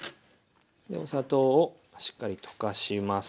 お砂糖をしっかり溶かします。